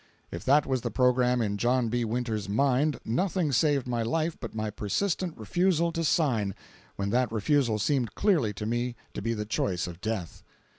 If that was the programme in John B. Winters' mind nothing saved my life but my persistent refusal to sign, when that refusal seemed clearly to me to be the choice of death.